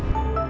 tadi angkat sih